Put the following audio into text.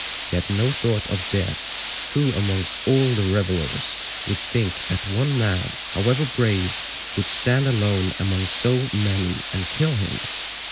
He had no thought of death—who amongst all the revellers would think that one man, however brave, would stand alone among so many and kill him?